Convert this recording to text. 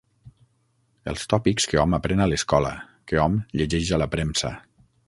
Els tòpics que hom aprèn a l'escola, que hom llegeix a la premsa.